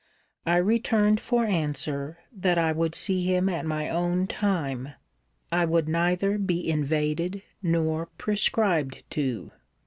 I returned for answer, that I would see him at my own time: I would neither be invaded nor prescribed to.